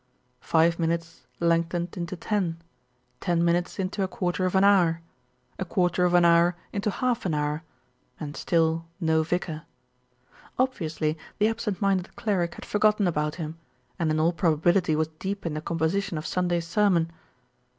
Five minutes lengthened into ten, ten minutes into a quarter of an hour, a quarter of an hour into half an hour, and still no vicar. Obviously the absent minded cleric had forgotten about him, and in all probability was deep in the composition of Sunday's sermon.